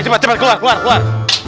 cepet cepet keluar keluar